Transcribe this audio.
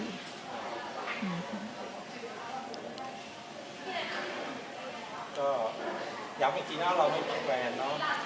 ก็ยังกินหน้าเรามีแมงเนอะ